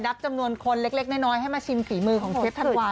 นับจำนวนคนเล็กน้อยให้มาชิมฝีมือของเชฟธันวา